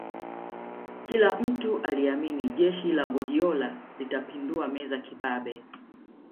kila mtu alimini jeshi la guardiola litapindua meza kibabe